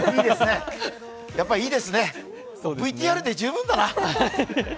やっぱいいですね、ＶＴＲで十分だな。